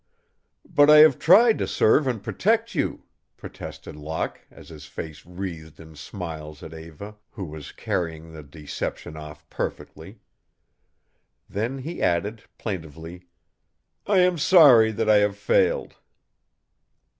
"But I have tried to serve and protect you," protested Locke, as his face wreathed in smiles at Eva, who was carrying the deception off perfectly. Then he added, plaintively, "I am sorry that I have failed."